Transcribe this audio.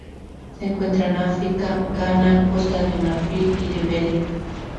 Se encuentran en África: Ghana, Costa de Marfil y Liberia.